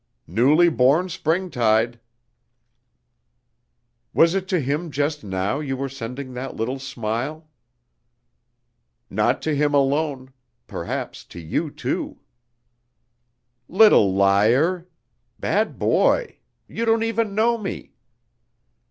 "Newly born springtide!" "Was it to him just now you were sending that little smile?" "Not to him alone. Perhaps to you, too." "Little liar! Bad boy. You don't even know me."